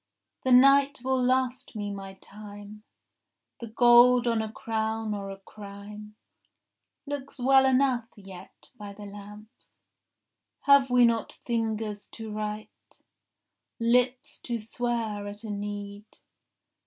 — The night will last me my time. The gold on a crown or a crime Looks well enough yet by the lamps. Have we not fingers to write, Lips to swear at a need?